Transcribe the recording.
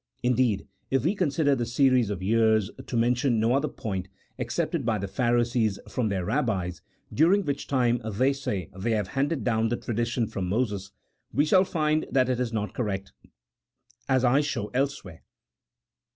Indeed, if we consider the series of years (to mention no other point) accepted by the Pharisees from their Eabbis, during which time they say they have handed down the tradition from Moses, we shall find that it is not correct, as I show elsewhere.